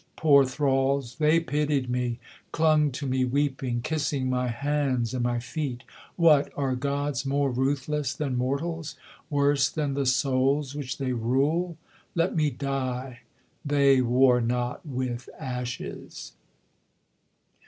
Poor thralls! they pitied me, clung to me weeping, Kissing my hands and my feet What, are gods more ruthless than mortals? Worse than the souls which they rule? Let me die: they war not with ashes!'